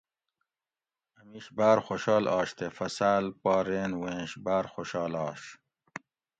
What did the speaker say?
اۤ میش باۤر خوشال آش تے فصاۤل پا رین ووینش بار خوشال آش